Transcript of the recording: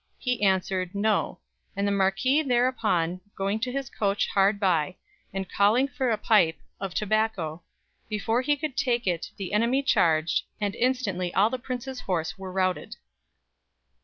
He answered, 'No'; and the marquisse thereupon going to his coach hard by, and callinge for a pype of tobacco, before he could take it the enimy charged, and instantly all the prince's horse were routed."